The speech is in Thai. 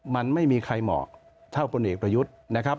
มันไม่มีใครเหมาะเท่าพลเอกประยุทธ์นะครับ